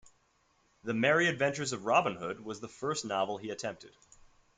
"The Merry Adventures of Robin Hood" was the first novel he attempted.